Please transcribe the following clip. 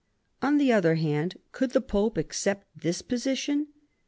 On the other side, could the Pope accept this position